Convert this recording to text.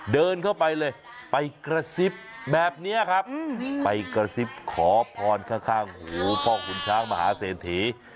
เดินเข้าไปเลยไปกระซิบแบบนี้ครับไปกระซิบขอพรข้างหูพ่อขุนช้างมหาเศรษฐี